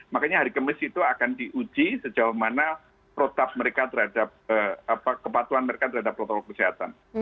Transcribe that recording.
makanya hari kemis itu akan diuji sejauh mana protap mereka terhadap kepatuhan mereka terhadap protokol kesehatan